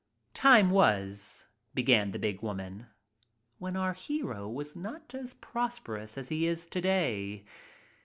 Time was," began the big woman, "when our hero was not as prosperous as he is today.